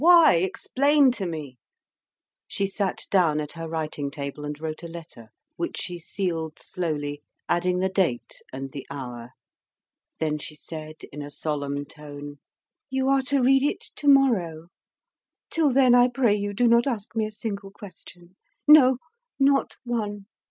Why? Explain to me." She sat down at her writing table and wrote a letter, which she sealed slowly, adding the date and the hour. Then she said in a solemn tone: "You are to read it to morrow; till then, I pray you, do not ask me a single question. No, not one!"